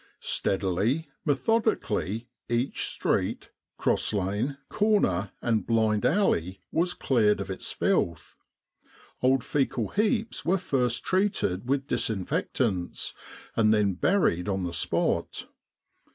Steadily, methodi cally, each street, cross lane, corner, and blind alley was cleared of its filth. Old faecal heaps were first treated with disinfectants, and then buried on the spot.